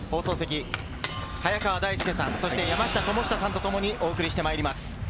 放送席は早川大輔さん、山下智久さんとお送りしてまいります。